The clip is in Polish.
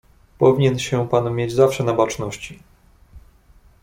"Powinien się pan mieć zawsze na baczności."